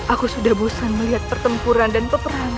aku sudah bosan melihat pertempuran dan peperang